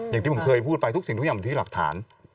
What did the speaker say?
อย่างที่ผมเคยพูดไปทุกสิ่งทุกอย่างอยู่ที่หลักฐาน